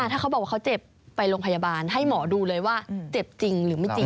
ถ้าเขาบอกว่าเขาเจ็บไปโรงพยาบาลให้หมอดูเลยว่าเจ็บจริงหรือไม่จริง